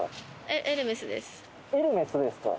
エルメスですか。